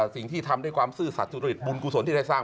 สิ่งที่ทำด้วยความซื่อสัตว์จริตบุญกุศลที่ได้สร้าง